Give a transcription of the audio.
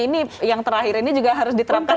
ini yang terakhir ini juga harus diterapkan